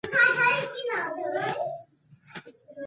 مېلمه ته وخت ورکړه چې آرام وکړي.